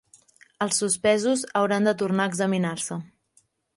Els suspesos hauran de tornar a examinar-se.